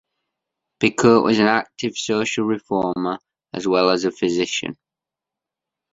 Picotte was an active social reformer as well as a physician.